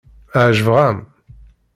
Ɛejbeɣ-am.